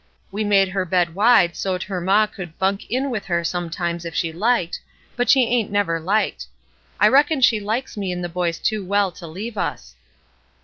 We made her bed wide so't her maw could bunk in with her sometimes if she liked, but she ain't never liked. I reckon she hkes me and the boys too well to leave us."